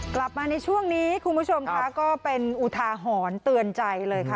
กลับมาในช่วงนี้คุณผู้ชมค่ะก็เป็นอุทาหรณ์เตือนใจเลยค่ะ